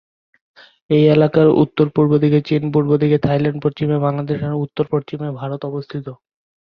এই এলাকার উত্ত-পূর্ব দিকে চীন, পূর্ব দিকে থাইল্যান্ড, পশ্চিমে বাংলাদেশ এবং উত্তর-পশ্চিমে ভারত অবস্থিত।